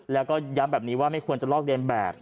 แล้วก็ย้ำแบบนี้ว่าไม่ควรจะลอกเรียนแบบ